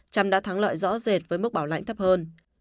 trump đã thắng lợi rõ rệt với mức bảo lãnh thấp hơn